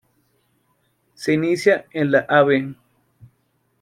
Se inicia en la Av.